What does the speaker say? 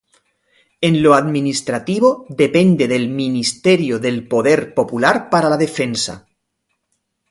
En lo administrativos depende del Ministerio del Poder Popular para la Defensa.